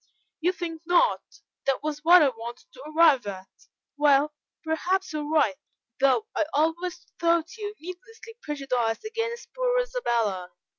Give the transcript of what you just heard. "You think not? that was what I wanted to arrive at; well, perhaps you are right, though I always thought you needlessly prejudiced against poor Isabella.